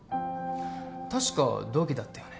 確か同期だったよね？